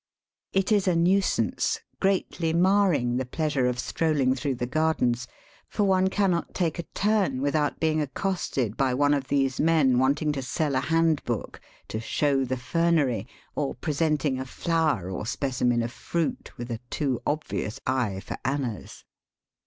It is a nuisance, greatly marring the pleasure of strolling through the gardens, for one cannot take a turn without being accosted by one of these men wanting to sell a handbook, to ^^show the fernery," or presenting a flower or specimen of fruit, with a too obvious eye for annas.